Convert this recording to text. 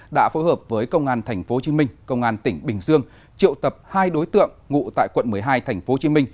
đã phối hợp với công an tp hcm công an tỉnh bình dương triệu tập hai đối tượng ngụ tại quận một mươi hai tp hcm